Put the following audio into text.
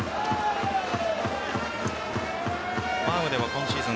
ファームでは今シーズン